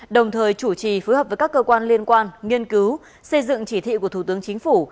đồng thời chủ trì phối hợp với các cơ quan liên quan nghiên cứu xây dựng chỉ thị của thủ tướng chính phủ